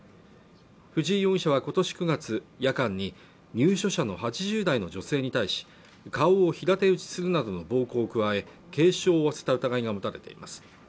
藤井容疑者は今年９月夜間に入所者の８０代の女性に対し顔を平手打ちするなどの暴行を加え軽傷を負わせた疑いが持たれています